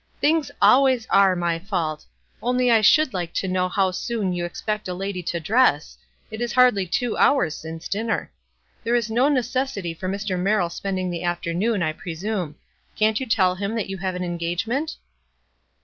"Things ahcays are my fault __ only I should like to know how soon you expect a lady to dress ; it is hardly two hours 117 198 WISE AND OTHERWISE. since dinner. There is no necessity for Mr. Merrill spending the afternoon, I presume. Can't you tell him that you have an engage ment?"